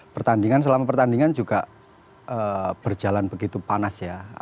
pertandingan selama pertandingan juga berjalan begitu panas ya